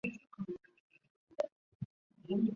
每当阿公要离去时